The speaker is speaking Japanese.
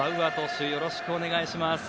よろしくお願いします。